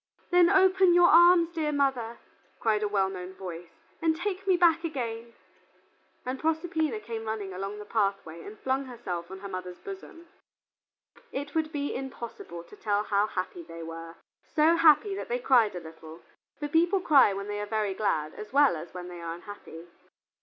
"Then open your arms, mother dear," cried a well known voice, "and take me back again." And Proserpina came running along the pathway and flung herself on her mother's bosom. It would be impossible to tell how happy they were; so happy that they cried a little, for people cry when they are very glad as well as when they are unhappy.